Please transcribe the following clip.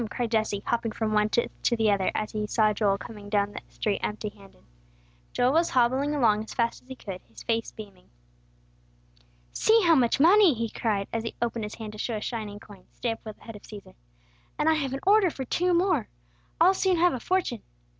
cried Jesse, hopping from one foot to the other, as he saw Joel coming down the street empty handed. Joel was hobbling along as fast as he could, his face beaming. "See how much money!" he cried, as he opened his hand to show a shining coin, stamped with the head of Cæsar. "And I have an order for two more. I'll soon have a fortune!